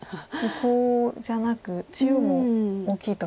コウじゃなく中央も大きいと。